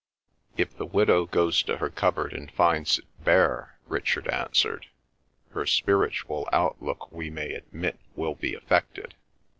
"If the widow goes to her cupboard and finds it bare," Richard answered, "her spiritual outlook we may admit will be affected.